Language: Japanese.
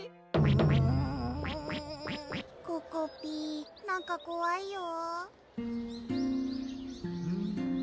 うぅここぴーなんかこわいよ